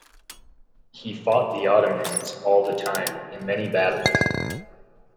He fought the Ottomans all the time in many battles.